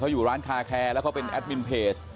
อยู่ร้านคาแคร์แล้วเขาเป็นแอดมินเพจ